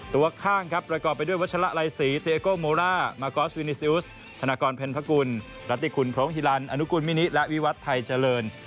ตัวข้างครับประกอบไปด้วยวัชละไลศรีเตียโกโมล่ามากอสวินิซิลสธนากรเพ็ญพกุลรัติคุณพรมฮิลันอนุกูลมินิและวิวัตรไทยเจริญ